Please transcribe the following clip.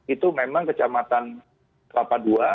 itu memang kecamatan kelapa ii